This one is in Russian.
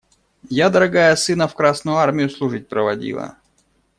Я, дорогая, сына в Красную Армию служить проводила.